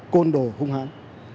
côn đồ hung hãng